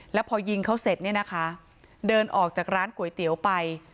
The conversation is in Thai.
แล้วพอยิงเขาเสร็จเนี่ยนะคะเดินออกจากร้านก๋วยเตี๋ยวไป